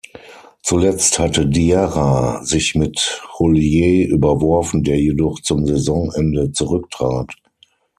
Zuletzt hatte Diarra sich mit Houllier überworfen, der jedoch zum Saisonende zurücktrat.